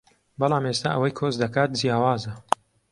بەڵام ئێستا ئەوەی کۆچ دەکات جیاوازە